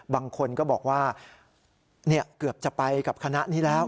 บางคนก็บอกว่าเกือบจะไปกับคณะนี้แล้ว